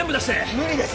無理です！